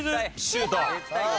シュート！